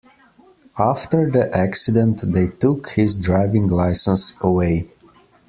After the accident, they took his driving license away.